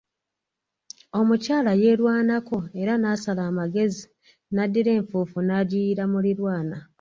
Omukyala yeerwanako era naasala amagezi naddira enfuufu naagiyiira muliraanwa.